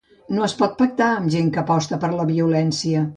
No es pot pactar amb gent que aposta per la violència.